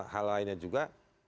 hal lainnya juga